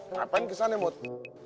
ngapain kesan ya muth